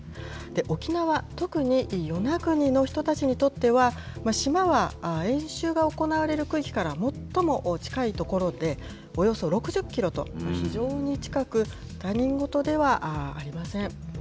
沖縄、特に与那国の人たちにとっては、島は演習が行われる区域から最も近い所でおよそ６０キロと、非常に近く、他人事ではありません。